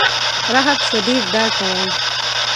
رهب شدید ډار ته وایي.